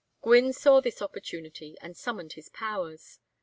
Gwynne saw his opportunity and summoned his powers.